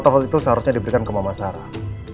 foto foto itu seharusnya diberikan ke mama sarah